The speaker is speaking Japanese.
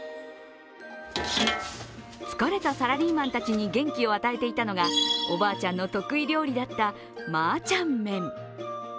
疲れたサラリーマンたちに元気を与えていたのがおばあちゃんの得意料理だったマーチャンメン。